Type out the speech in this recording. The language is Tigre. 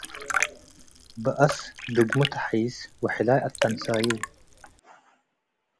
በአስ ድግሙ ተሐይስ ወሕላይ አተንሳዩ።